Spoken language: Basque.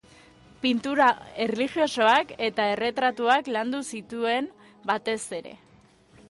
Pintura erlijiosoak eta erretratuak landu zituen, batez ere.